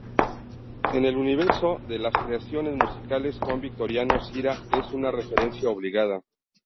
En el universo de las creaciones musicales Juan Victoriano Cira es una referencia obligada.